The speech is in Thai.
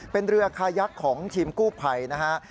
เป็นเรือคายักษ์ของทีมกู้ภัยนะฮะ